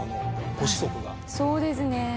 そうですね。